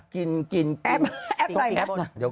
กินแอปไหน